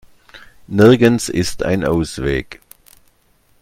Nirgends ist ein Ausweg.